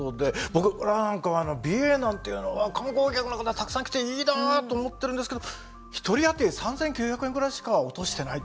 僕なんかは美瑛なんていうのは観光客の方たくさん来ていいなと思ってるんですけど１人あたり３，９００円ぐらいしか落としてないと？